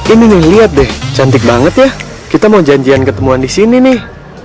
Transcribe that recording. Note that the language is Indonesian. ini nih lihat deh cantik banget ya kita mau janjian ketemuan di sini nih